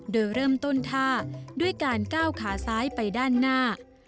โดยเริ่มต้นท่าด้วยการก้าวขาซ้ายไปด้านหน้า